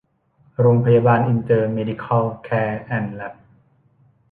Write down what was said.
โรงพยาบาลอินเตอร์เมดิคัล แคร์ แอนด์ แล็บ